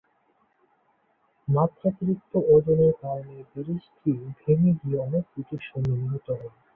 মাত্রাতিরিক্ত ওজনের কারণে ব্রিজটি ভেঙ্গে গিয়ে অনেক ব্রিটিশ সৈন্য নিহত হন।